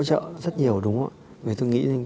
chị có hận ông ấy không